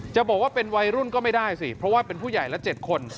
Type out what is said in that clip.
จะบอกว่าเป็นวัยรุ่นก็ไม่ได้สิเพราะว่าเป็นผู้ใหญ่ละ๗คน